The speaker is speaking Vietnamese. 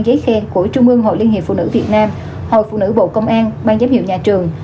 giấy khen của trung ương hội liên hiệp phụ nữ việt nam hội phụ nữ bộ công an ban giám hiệu nhà trường